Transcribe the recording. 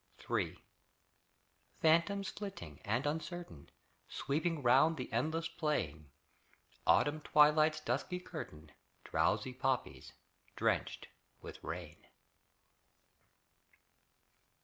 III Phantoms flitting and uncertain Sweeping round the endless plain; Autumn twilight's dusky curtain, Drowsy poppies, drenched with rain.